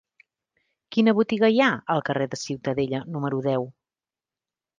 Quina botiga hi ha al carrer de Ciutadella número deu?